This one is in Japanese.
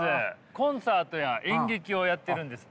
コンサートや演劇をやってるんですって。